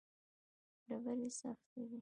ډبرې سختې دي.